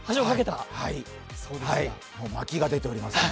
巻きが出ております。